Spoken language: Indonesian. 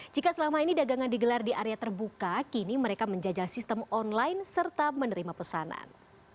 jika selama ini dagangan digelar di area terbuka kini mereka menjajal sistem online serta menerima pesanan